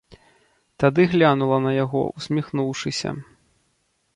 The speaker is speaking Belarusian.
Тады глянула на яго, усміхнуўшыся.